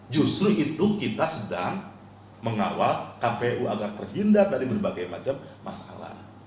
justru itu kita sedang mengawal kpu agar terhindar dari berbagai macam masalah